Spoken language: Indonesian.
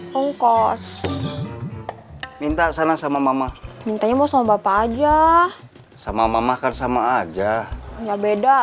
hongkos minta sana sama mama minta mau sama bapak aja sama mama kan sama aja nggak beda